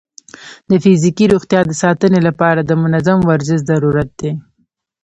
د فزیکي روغتیا د ساتنې لپاره د منظم ورزش ضرورت دی.